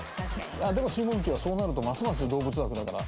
でもシーモンキーはそうなるとますます動物枠だから。